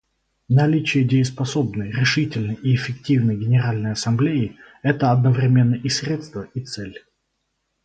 Наличие дееспособной, решительной и эффективной Генеральной Ассамблеи — это одновременно и средство, и цель.